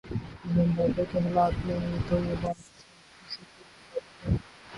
Zimbabwe کے حالات میں تو یہ بات سوفیصد درست ثابت ہوئی۔